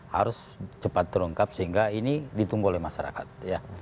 harus cepat terungkap sehingga ini ditunggu oleh masyarakat ya